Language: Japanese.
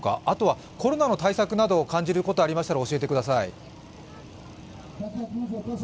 あとはコロナの対策など感じることがありましたら教えてください。